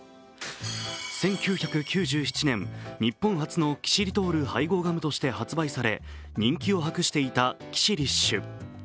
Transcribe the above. １９９７年、日本初のキシリトール配合ガムとして発売され、人気を博していたキシリッシュ。